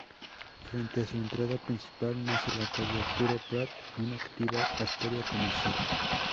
Frente a su entrada principal nace la calle Arturo Prat, una activa arteria comercial.